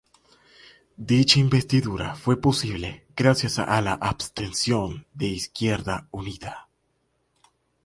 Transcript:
Dicha investidura fue posible gracias a la abstención de Izquierda Unida.